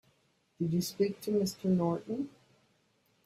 Did you speak to Mr. Norton?